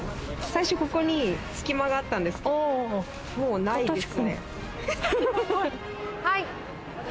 最初ここに隙間があったんですけど、もうないですね。